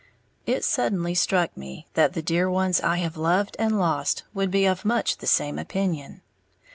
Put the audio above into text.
It suddenly struck me that the dear ones I have loved and lost would be of much the same opinion.